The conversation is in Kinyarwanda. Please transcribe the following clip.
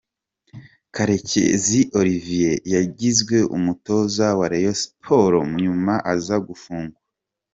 Karekezi Oliviye yagizwe umutoza wa Reyo Siporo nyuma aza gufungwa.